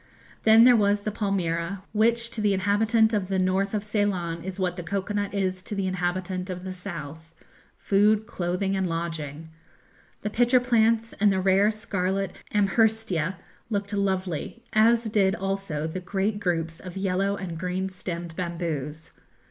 Then there was the palmyra, which to the inhabitant of the North of Ceylon is what the cocoa nut is to the inhabitant of the South food, clothing, and lodging. The pitcher plants and the rare scarlet amherstia looked lovely, as did also the great groups of yellow and green stemmed bamboos.